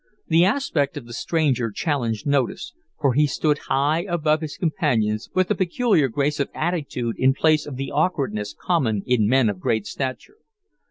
The aspect of the stranger challenged notice, for he stood high above his companions with a peculiar grace of attitude in place of the awkwardness common in men of great stature.